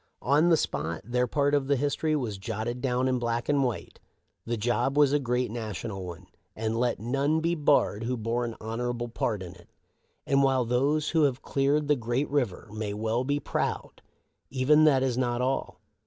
" On the spot, their part of the history was jotted down in black and white. The job was a great national one ; and let none be barred who bore an honorable part in it. And while those who have cleared the great river may well be proud, even that is not all.